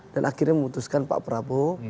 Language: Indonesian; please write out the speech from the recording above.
dan akhirnya memutuskan pak prabowo